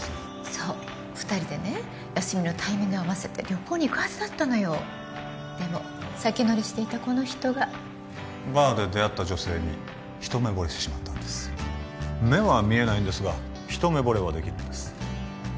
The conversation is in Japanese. そう二人でね休みのタイミングを合わせて旅行に行くはずだったのよでも先乗りしていたこの人がバーで出会った女性に一目ぼれしてしまったんです目は見えないんですが一目ぼれはできるんです